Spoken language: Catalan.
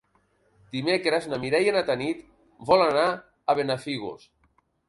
Dimecres na Mireia i na Tanit volen anar a Benafigos.